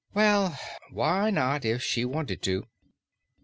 Why not, if she wanted to?